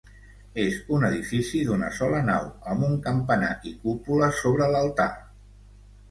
És un edifici d'una sola nau, amb un campanar i cúpula sobre l'altar.